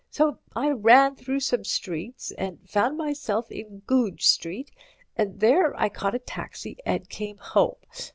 So I ran through some streets, and found myself in Goodge Street, and there I got a taxi and came home.